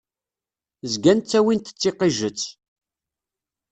Zgan ttawin-t d tiqiǧet.